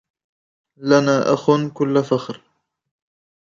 لنا أخ كل فخر